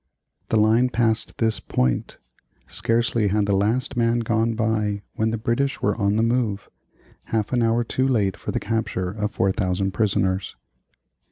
The line passed this point. Scarcely had the last man gone by when the British were on the move, half an hour too late for the capture of 4,000 prisoners.